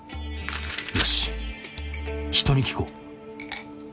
よし人に聞こう。